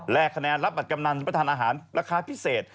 และคะแนนรับบัตรกำนันประทานอาหารราคาพิเศษ